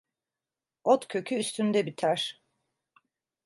Ot kökü üstünde biter.